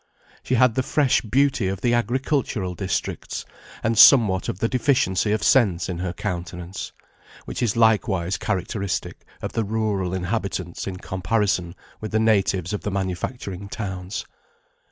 She had the fresh beauty of the agricultural districts; and somewhat of the deficiency of sense in her countenance, which is likewise characteristic of the rural inhabitants in comparison with the natives of the manufacturing towns.